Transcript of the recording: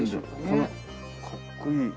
これかっこいい。